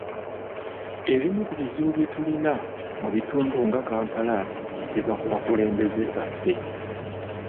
Ebimu ku bizibu bye tulina mu bitundu nga Kampala biva ku bakulembeze baffe.